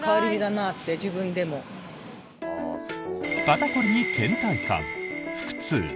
肩凝りに、けん怠感、腹痛。